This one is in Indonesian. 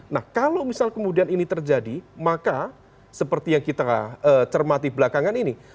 nah kalau misal kemudian ini terjadi maka seperti yang kita cermati belakangan ini